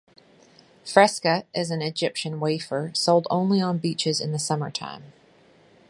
"Freska" is an Egyptian wafer sold only on beaches in the summertime.